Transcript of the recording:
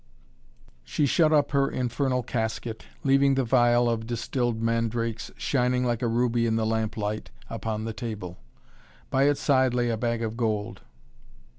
She shut up her infernal casket, leaving the phial of distilled mandrakes, shining like a ruby in the lamp light, upon the table. By its side lay a bag of gold.